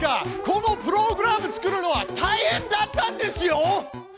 このプログラム作るのはたいへんだったんですよ！